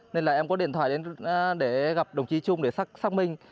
nên là em có điện thoại đến để gặp đồng chí trung để xác minh